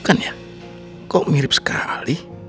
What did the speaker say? kan ya kok mirip sekali